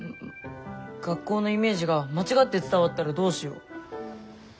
学校のイメージが間違って伝わったらどうしよう。